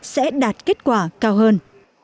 sẽ đạt kết quả cao hơn